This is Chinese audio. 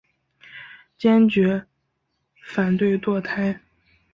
坚决反对堕胎。